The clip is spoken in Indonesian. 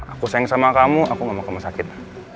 aku sayang sama kamu aku gak mau kamu sakit